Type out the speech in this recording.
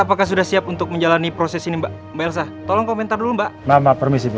apakah sudah siap untuk menjalani proses ini mbak belsa tolong komentar lomba mama permisif